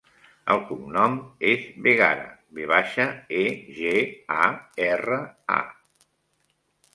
El cognom és Vegara: ve baixa, e, ge, a, erra, a.